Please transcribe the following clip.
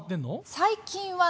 最近はね